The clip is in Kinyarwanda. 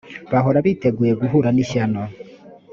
bahora biteguye guhura n’ishyano